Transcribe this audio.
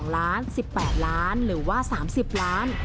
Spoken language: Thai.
๒ล้าน๑๘ล้านหรือว่า๓๐ล้าน